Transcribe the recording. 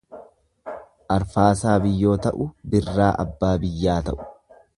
Arfaasaa biyyoo ta'u birraa abbaa biyyaa ta'u.